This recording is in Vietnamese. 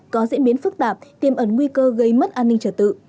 có diễn biến phức tạp tiêm ẩn nguy cơ gây mất an ninh trở tự